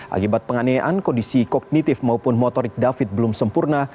akibat penganiayaan kondisi kognitif maupun motorik david belum sempurna